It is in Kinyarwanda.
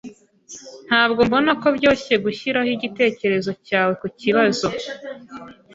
Ntabwo mbona ko byoroshye gushyiraho igitekerezo cyawe kukibazo.